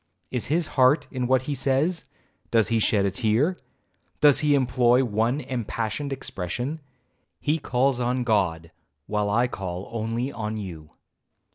Is his heart in what he says? does he shed a tear? does he employ one impassioned expression? he calls on God,—while I call only on you.